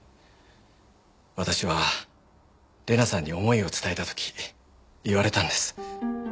私は玲奈さんに思いを伝えた時言われたんです。